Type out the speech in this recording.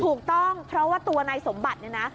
ถูกต้องเพราะว่าตัวนายสมบัติเนี่ยนะ